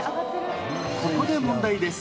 ここで問題です。